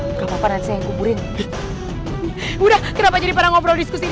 nggak papaan saya ningku burin udah kenapa jadi parang ngobrol di domain gue magdalena